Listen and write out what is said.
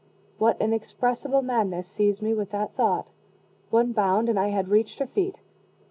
_ What inexpressible madness seized me with that thought? One bound, and I had reached her feet!